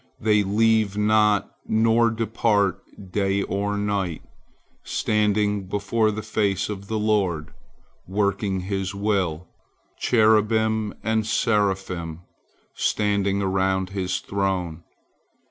They leave not nor depart day or night, standing before the face of the Lord, working His will, cherubim and seraphim, standing around His throne.